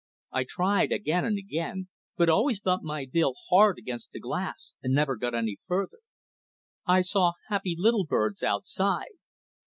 I tried again and again, but always bumped my bill hard against the glass and never got any further. I saw happy little birds outside.